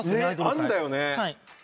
あんだよね。